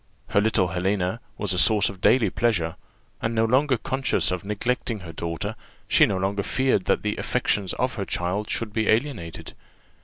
Her little Helena was a source of daily pleasure; and no longer conscious of neglecting her daughter, she no longer feared that the affections of her child should be alienated.